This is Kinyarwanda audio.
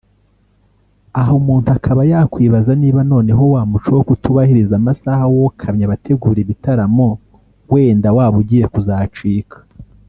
Aha umuntu akaba yakwibaza niba noneho wa muco wo kutubahiriza amasaha wokamye abategura ibitaramo wenda waba ugiye kuzacika